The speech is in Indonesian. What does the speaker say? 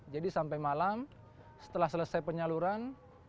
jadi sampai malam setelah selesai penyaluran